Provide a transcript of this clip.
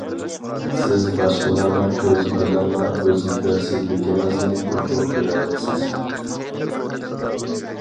سىز باشقىلارنىڭ كۆزى بىلەنلا ئۆز يېتەرسىزلىكىڭىزنى ئوچۇق كۆرەلەيسىز.